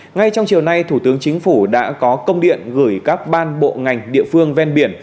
ngay trong chiều nay thủ tướng chính phủ đã có công điện gửi các ban bộ ngành địa phương ven biển